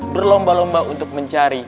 berlomba lomba untuk mencari